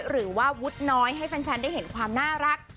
หรือว่าวุฒิน้อยให้แฟนได้เห็นความน่ารัก